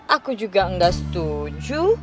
aku juga gak setuju